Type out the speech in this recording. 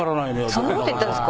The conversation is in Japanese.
そんなこと言ったんですか？